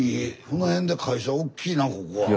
この辺で会社おっきいなここは。